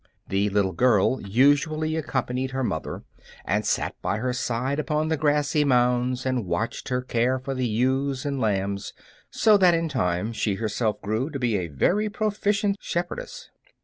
The little girl usually accompanied her mother and sat by her side upon the grassy mounds and watched her care for the ewes and lambs, so that in time she herself grew to be a very proficient shepherdess.